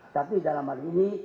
tapi dalam hal ini